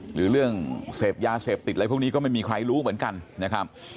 หรือเรื่องเสพยาเสพติดอะไรพวกนี้ก็ไม่มีใครรู้เหมือนกันนะครับ